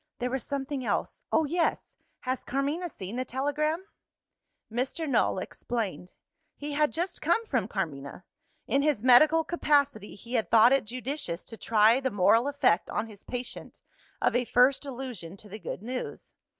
There was something else. Oh, yes! Has Carmina seen the telegram?" Mr. Null explained. He had just come from Carmina. In his medical capacity, he had thought it judicious to try the moral effect on his patient of a first allusion to the good news.